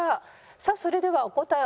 さあそれではお答え